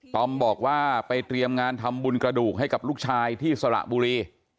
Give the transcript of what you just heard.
อมบอกว่าไปเตรียมงานทำบุญกระดูกให้กับลูกชายที่สระบุรี